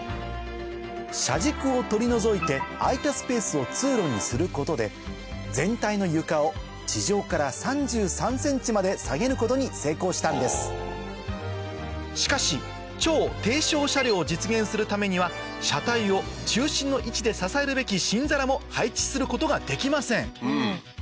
車軸を取り除いて空いたスペースを通路にすることで全体の床を地上から３３ｃｍまで下げることに成功したんですしかし超低床車両を実現するためには車体を中心の位置で支えるべき心皿も配置することができません